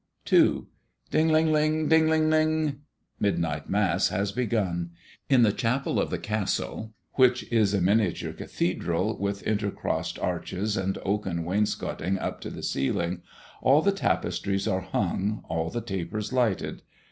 II. Ding, ling, ling! Ding, ling, ling! Midnight Mass has begun. In the chapel of the castle, which is a miniature cathedral, with intercrossed arches and oaken wainscoting up to the ceiling, all the tapestries are hung, all the tapers lighted.